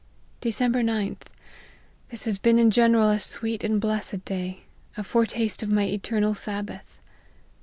" Dec. 9th. This has been in general a sweet and blessed day, a foretaste of my eternal sabbath.